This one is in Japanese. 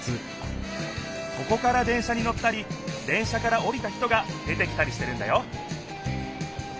ここから電車に乗ったり電車からおりた人が出てきたりしてるんだよ